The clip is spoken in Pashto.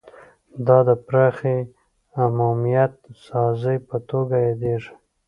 دا د پراخې عمومیت سازۍ په توګه یادیږي